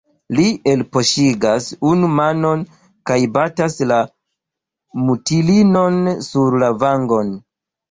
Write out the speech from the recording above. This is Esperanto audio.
Li elpoŝigas unu manon kaj batas la mutulinon sur la vangon.